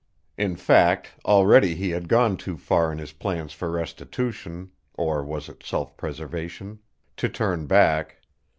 In fact, already he had gone too far in his plans for restitution or was it self preservation? to turn back.